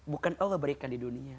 bukan allah berikan di dunia